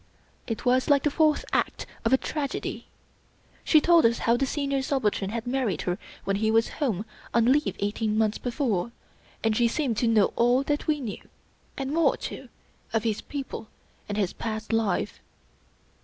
It was like the fourth act of a tragedy. She told us how the Senior Subaltern had married her when he was Home on leave eighteen months before; and she seemed to know all that we knew, and more too, of his people and his past life.